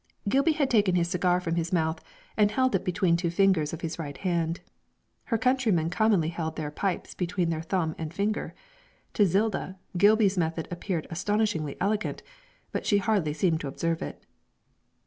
Gilby had taken his cigar from his mouth, and held it between two fingers of his right hand. Her countrymen commonly held their pipes between their thumb and finger. To Zilda, Gilby's method appeared astonishingly elegant, but she hardly seemed to observe it.